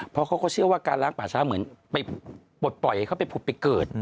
เพราะเขาก็เชื่อว่าการล้างป่าช้าเหมือนไปปลดปล่อยให้เขาไปผุดไปเกิด